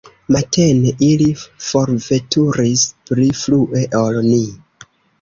Matene ili forveturis pli frue ol ni.